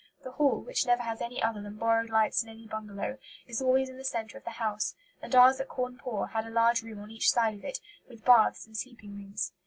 The hall, which never has any other than borrowed lights in any bungalow, is always in the centre of the house, and ours at Cawnpore had a large room on each side of it, with baths and sleeping rooms.